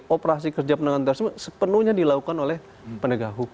operasi kerja penanganan terorisme sepenuhnya dilakukan oleh penegak hukum